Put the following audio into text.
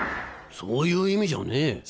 そういう意味じゃねえ！